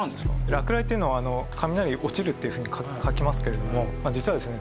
落雷というのは雷落ちるっていうふうに書きますけれども実はですね